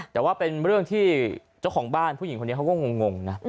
แต่ว่าเป็นเรื่องที่เจ้าของบ้านผู้หญิงคนนี้เขาก็งงนะ